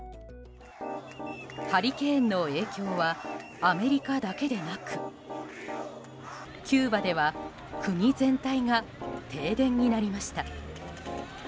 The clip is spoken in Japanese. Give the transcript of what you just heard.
ハリケーンの影響はアメリカだけでなくキューバでは国全体が停電になりました。